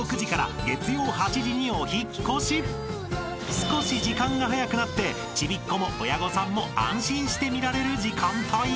［少し時間が早くなってちびっ子も親御さんも安心して見られる時間帯に］